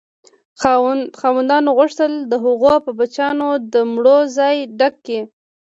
خاوندانو غوښتل د هغو په بچیانو د مړو ځای ډک کړي.